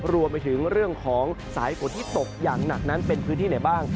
รวมไปถึงเรื่องของสายฝนที่ตกอย่างหนักนั้นเป็นพื้นที่ไหนบ้าง